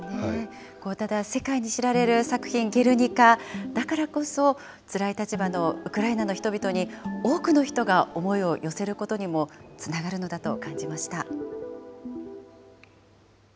ただ、世界に知られる作品、ゲルニカだからこそ、つらい立場のウクライナの人々に、多くの人が思いを寄せることにもつながるのだと感じました。